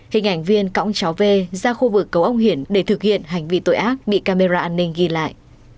hình ảnh viên cõng cháu v ra khu vực cầu ông hiển để thực hiện hành vi tội ác bị camera an ninh ghi lại